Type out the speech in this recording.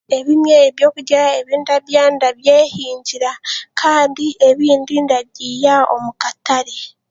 Ebimwe ebyokurya ebi ndarya ndabyehingira kandi ebindi ndabiiya omu katare.